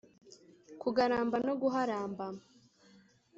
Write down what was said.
kugaramba no guharamba